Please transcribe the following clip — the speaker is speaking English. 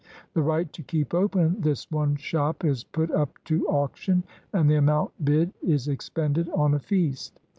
The right to keep open this one shop is put up to auction, and the amount bid is expended on a feast.